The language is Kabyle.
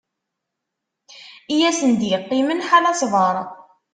I asen-d-yeqqimen ḥala ssber.